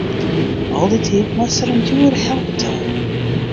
Al dy tiid moast er in djoere help betelje.